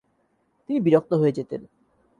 তিনি বিরক্ত হয়ে যেতেন।